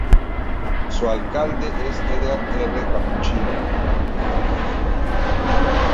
Su alcalde es Edgar R. Capuchino.